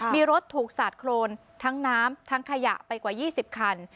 มีรถถูกสาดโครนทั้งน้ำทั้งขยะไปกว่า๒๐คัน